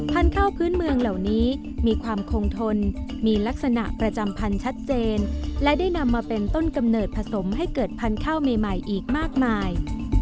ข้าวพื้นเมืองเหล่านี้มีความคงทนมีลักษณะประจำพันธุ์ชัดเจนและได้นำมาเป็นต้นกำเนิดผสมให้เกิดพันธุ์ข้าวใหม่อีกมากมาย